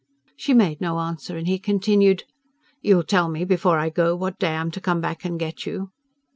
She made no answer, and he continued: "You'll tell me before I go what day I'm to come back and get you?"